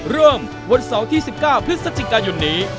วันเสาร์ที่๑๙พฤศจิกายนนี้